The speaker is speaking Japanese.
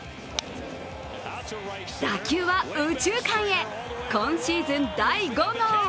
打球は右中間へ、今シーズン第５号。